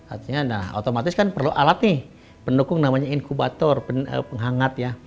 artinya nah otomatis kan perlu alat nih pendukung namanya inkubator penghangat ya